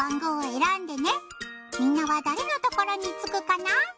みんなは誰のところに着くかな？